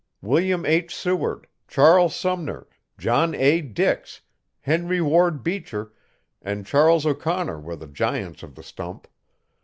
William H. Seward, Charles Sumner, John A. Dix, Henry Ward Beecher and Charles O'Connor were the giants of the stump.